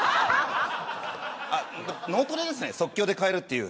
脳トレですね即興で変えるっていう。